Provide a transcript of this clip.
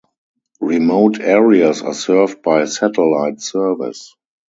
Remote areas are served by satellite service.